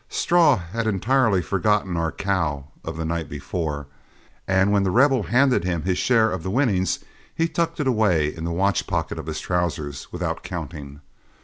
Straw had entirely forgotten our "cow" of the night before, and when The Rebel handed him his share of the winnings, he tucked it away in the watch pocket of his trousers without counting.